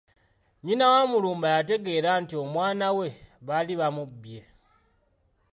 Nnyina wa Mulumba yategeera nti omwana we baali bamubbye.